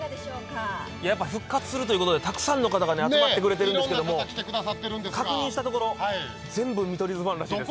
やっぱり復活するということでたくさんの方が集まってくれてるんですけど確認したところ、全部見取り図ファンらしいです。